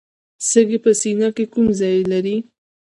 سږي په سینه کې کوم ځای لري